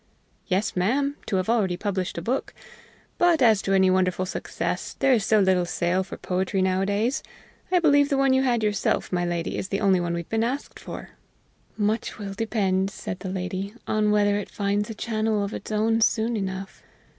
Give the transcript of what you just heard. "Yes, ma'am to have already published a book. But as to any wonderful success, there is so little sale for poetry nowadays. I believe the one you had yourself, my lady, is the only one we have been asked for." "Much will depend," said the lady, "on whether it finds a channel of its own soon enough.